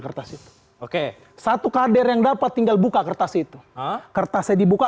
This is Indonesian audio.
kertas itu oke satu kader yang dapat tinggal buka kertas itu kertasnya dibuka